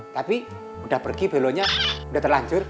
tapi udah pergi belonya udah terlancur